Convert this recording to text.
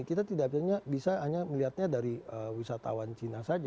kita tidak hanya bisa melihatnya dari wisatawan cina saja